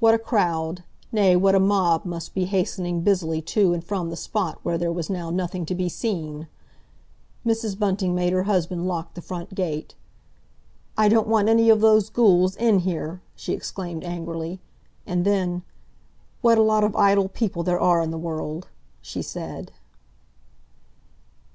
What a crowd; nay, what a mob, must be hastening busily to and from the spot where there was now nothing to be seen! Mrs. Bunting made her husband lock the front gate. "I don't want any of those ghouls in here!" she exclaimed angrily. And then, "What a lot of idle people there are in the world!" she said.